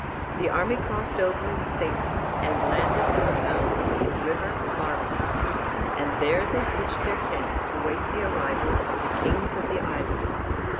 The army crossed over in safety, and landed at the mouth of the river Barba. And there they pitched their tents to wait the arrival of the kings of the islands.